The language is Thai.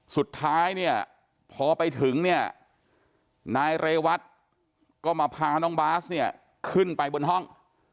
สุดท้ายพอไปถึงนายเรวัตก็มาพาน้องบ๊าซขึ้นไปบนห้อง